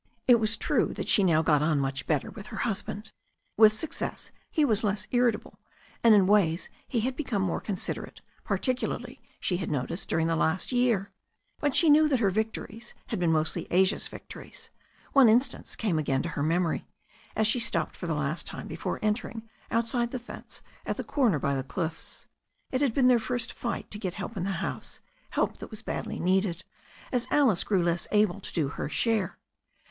It was true that she now got on much bet ter with her husband. With success he was less irritable, and in ways he had become more considerate, particularly, she had noticed, during the last yeajr. But she knew that her victories had been mostly Asia's victories. One instance came again to her memory, as she stopped for the last time before entering, outside the fence, at the corner by the cliffs. It had been their first fight to get help in the house, help that was badly needed, as Alice grew less able to do her share.